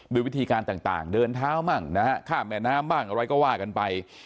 วิธีการต่างเดินเท้าบ้างนะฮะข้ามแม่น้ำบ้างอะไรก็ว่ากันไป